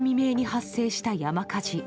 現地時間８日未明に発生した山火事。